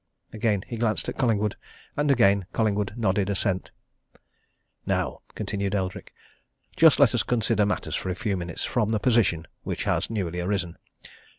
Again he glanced at Collingwood, and again Collingwood nodded assent. "Now," continued Eldrick, "just let us consider matters for a few minutes from the position which has newly arisen.